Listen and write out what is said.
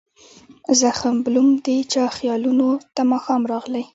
زخم بلوم د چا خیالونو ته ماښام راغلي